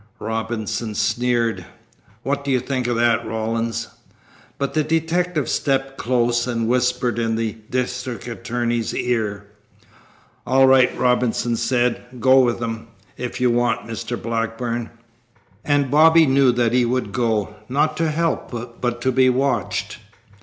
Robinson sneered. "What do you think of that, Rawlins?" But the detective stepped close and whispered in the district attorney's ear. "All right," Robinson said. "Go with 'em, if you want, Mr. Blackburn." And Bobby knew that he would go, not to help, but to be watched.